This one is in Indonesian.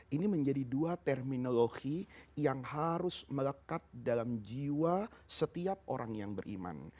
ini menjadi dua terima kasih yang akan allah berikan